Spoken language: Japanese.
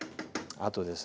あとですね